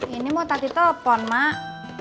ini mau tadi telepon mak